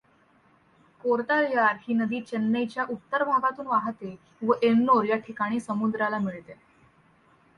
कोर्तालयार ही नदी चेन्नईच्या उत्तर भागातून वाहाते व एन्नोर या ठिकाणी समुद्राला मिळते.